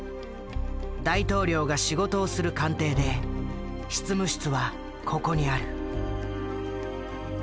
大統領が仕事をする官邸で執務室はここにある。